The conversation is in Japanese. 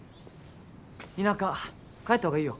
田舎帰った方がいいよ